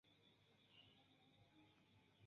Trajano etendis la al Mezopotamio, Asirio kaj Armenio.